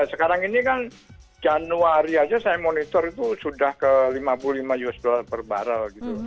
sekarang ini kan januari saja saya monitor itu sudah ke lima puluh lima usd per barrel gitu